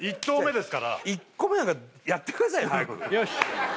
１投目ですから１個目だからやってくださいよ早くよし